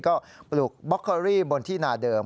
ก็ปลูกบ็อกเคอรี่บนที่นาเดิม